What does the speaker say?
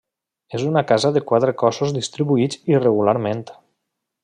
És una casa de quatre cossos distribuïts irregularment.